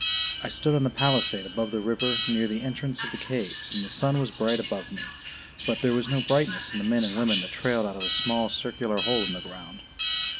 I stood on the palisade above the river, near the entrance of the caves; and the sun was bright above me; but there was no brightness in the men and women that trailed out of a small circular hole in the ground.